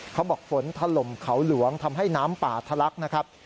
เขาบอกฝนถล่มเขาหลวงทำให้น้ำป่าทะลักนะครับ